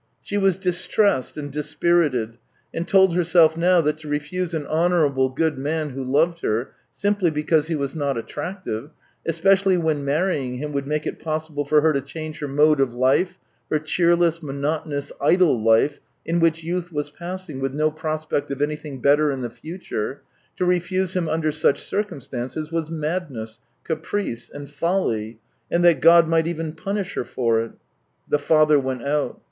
She was distressed and dispirited, and told herself now that to refuse an honourable, good man who loved her, simply because he was not attractive, especially when marrying him would make it possible for her to change her mode of life, her cheerless, monotonous, idle life in which youth was passing with no prospect of anything better in the future — ^to refuse him under such circumstances was madness, caprice and folly, and that God might even punish her for it. The father went out.